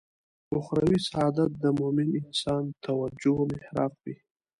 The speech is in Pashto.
اخروي سعادت د مومن انسان توجه محراق وي.